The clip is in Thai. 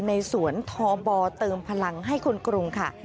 ในสวนทบเติมพลังให้คนกรุงค่ะ